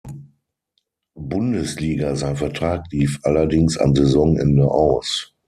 Bundesliga, sein Vertrag lief allerdings am Saisonende aus.